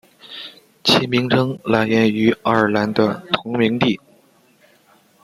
其名称来源于爱尔兰的同名地。